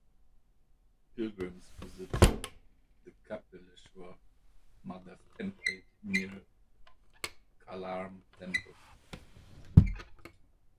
Pilgrims visit the Kapaleshwar Mahadev temple near the Kalaram Temple.